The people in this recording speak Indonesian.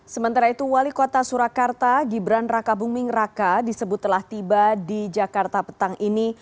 sementara itu wali kota surakarta gibran raka buming raka disebut telah tiba di jakarta petang ini